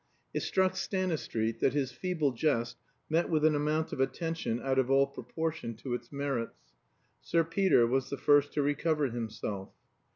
It struck Stanistreet that his feeble jest met with an amount of attention out of all proportion to its merits. Sir Peter was the first to recover himself.